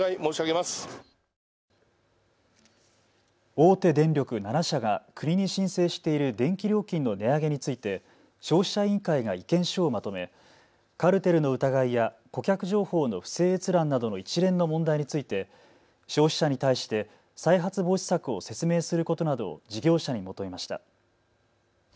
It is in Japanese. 大手電力７社が国に申請している電気料金の値上げについて消費者委員会が意見書をまとめカルテルの疑いや顧客情報の不正閲覧などの一連の問題について、消費者に対して再発防止策を説明することなどを事業者に求めました。